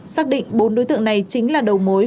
xác định bốn đối tượng này chính là đầu mối